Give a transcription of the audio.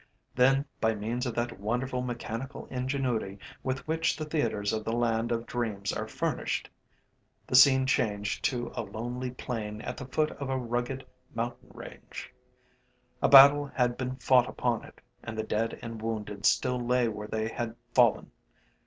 Then, by means of that wonderful mechanical ingenuity with which the theatres of the land of dreams are furnished, the scene changed to a lonely plain at the foot of a rugged mountain range. A battle had been fought upon it, and the dead and wounded still lay where they had fallen.